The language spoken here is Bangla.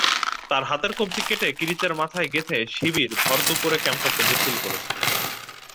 তাঁর হাতের কবজি কেটে কিরিচের মাথায় গেঁথে শিবির ভরদুপুরে ক্যাম্পাসে মিছিল করেছিল।